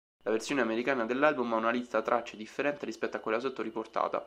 La versione americana dell'album ha una lista tracce differente rispetto a quella sotto riportata.